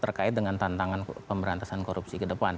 terkait dengan tantangan pemberantasan korupsi ke depan